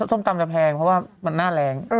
ส้มตำจะแพงเพราะว่ามันหน้าแรง